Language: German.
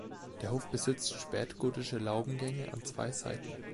Der Hof besitzt spätgotische Laubengänge an zwei Seiten.